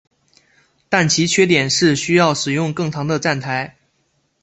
但其缺点是需要使用更长的站台。